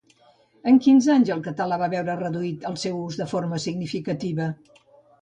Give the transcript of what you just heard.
En quins anys el català va veure reduït el seu ús de forma significativa?